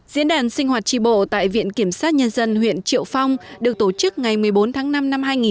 diễn đàn sinh hoạt tri bộ tại viện kiểm sát nhân dân huyện triệu phong được tổ chức ngày một mươi bốn tháng năm năm hai nghìn một mươi chín